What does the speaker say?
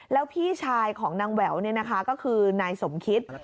แล้วพี่ชายของนางแววเนี่ยนะคะก็คือนายสมคิต